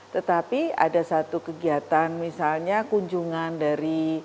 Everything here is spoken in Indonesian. tetapi ada satu kegiatan misalnya kunjungan dari